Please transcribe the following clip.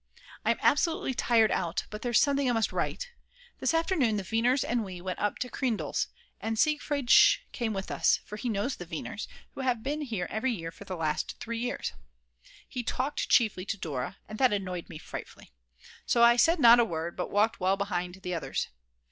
I'm absolutely tired out, but there's something I must write. This afternoon the Weiners and we went up to Kreindl's, and Siegfried Sch. came with us, for he knows the Weiners, who have been here every year for the last 3 years. He talked chiefly to Dora, and that annoyed me frightfully. So I said not a word, but walked well behind the others.